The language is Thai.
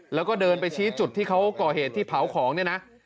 แล้วก็เดินไปชี้จุดที่เขาก่อเหตุที่เผาของเนี่ยนะ